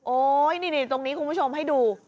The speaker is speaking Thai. โอ๊ยนี่ตรงนี้คุณผู้ชมให้ดู